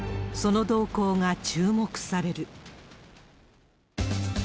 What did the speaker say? その動向が注目される。